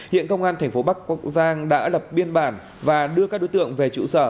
hiện công an tp bắc giang đã lập biên bản và đưa các đối tượng về trụ sở